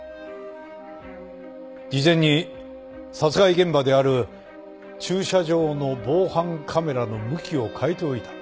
事前に殺害現場である駐車場の防犯カメラの向きを変えておいた。